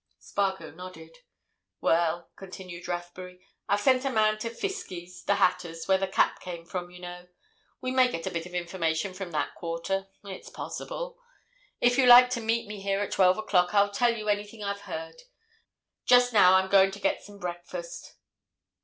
Spargo nodded. "Well," continued Rathbury, "I've sent a man to Fiskie's, the hatter's, where that cap came from, you know. We may get a bit of information from that quarter—it's possible. If you like to meet me here at twelve o'clock I'll tell you anything I've heard. Just now I'm going to get some breakfast."